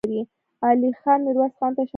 علی خان ميرويس خان ته اشاره وکړه.